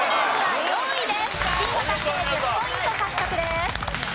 １０ポイント獲得です。